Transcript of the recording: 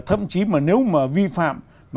thậm chí mà nếu mà vi phạm